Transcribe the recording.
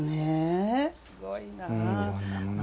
すごいなあ。